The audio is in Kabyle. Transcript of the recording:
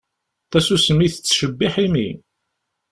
Tasusmi tettcebbiḥ imi.